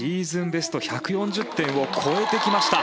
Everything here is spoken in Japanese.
ベスト１４０点を超えてきました。